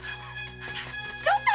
正太！